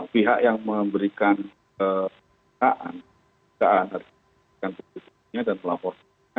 pihak yang memberikan keadaan keadaan dari penduduknya dan pelaburannya